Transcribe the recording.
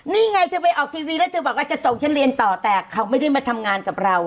นี่ไงเธอไปออกทีวีแล้วเธอบอกว่าจะส่งฉันเรียนต่อแต่เขาไม่ได้มาทำงานกับเรา